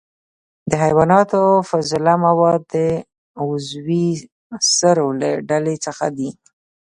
د حیواناتو فضله مواد د عضوي سرو له ډلې څخه دي.